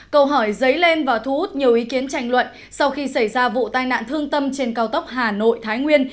câu hỏi dấy lên và thu hút nhiều ý kiến tranh luận sau khi xảy ra vụ tai nạn thương tâm trên cao tốc hà nội thái nguyên